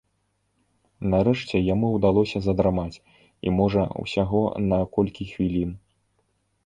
Нарэшце яму ўдалося задрамаць, і, можа, усяго на колькі хвілін.